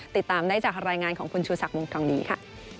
ติดตามได้จากรายงานของคุณชูศักดิ์วงทองดีค่ะ